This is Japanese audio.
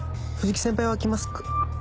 藤木先輩は来ますか？